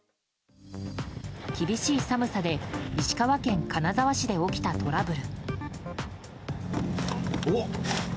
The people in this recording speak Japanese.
厳しい寒さで石川県金沢市で起きたトラブル。